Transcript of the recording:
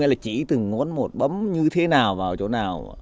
hãy từng ngón một bấm như thế nào vào chỗ nào